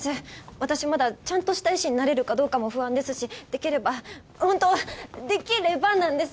私まだちゃんとした医師になれるかどうかも不安ですしできれば本当できればなんですが。